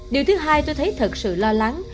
điều thứ hai tôi thấy thật sự lo lắng